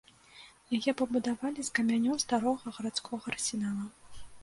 Яе пабудавалі з камянёў старога гарадскога арсенала.